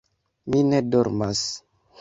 Mi ne dormas.